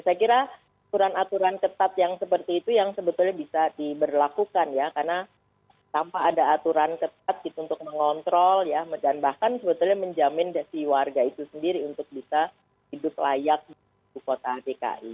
saya kira aturan aturan ketat yang seperti itu yang sebetulnya bisa diberlakukan ya karena tanpa ada aturan ketat untuk mengontrol dan bahkan sebetulnya menjamin si warga itu sendiri untuk bisa hidup layak di kota dki